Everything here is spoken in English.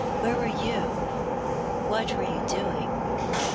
Where were you? What were you doin ?